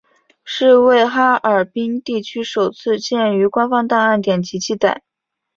是为哈尔滨地区首次见于官方档案典籍记载。